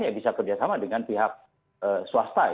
ya bisa kerjasama dengan pihak swasta